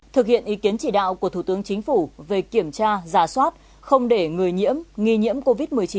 thực hiện ý kiến chỉ đạo của thủ tướng chính phủ về kiểm tra giả soát không để người nhiễm nghi nhiễm covid một mươi chín